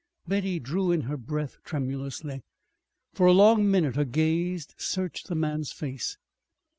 Betty drew in her breath tremulously. For a long minute her gaze searched the man's face.